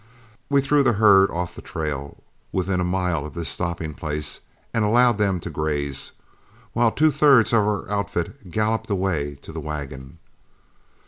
We threw the herd off the trail, within a mile of this stopping place, and allowed them to graze, while two thirds of the outfit galloped away to the wagon.